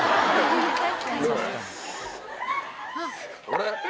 あれ？